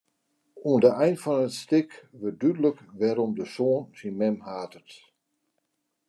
Oan de ein fan it stik wurdt dúdlik wêrom de soan syn mem hatet.